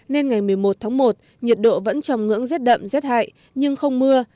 nên ngày một mươi một tháng một nhiệt độ vẫn trầm ngưỡng rất đậm rất hại nhưng không mưa